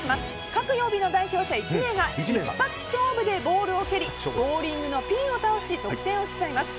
各曜日の代表者１名が一発勝負でボールを蹴りボウリングのピンを倒し得点を競います。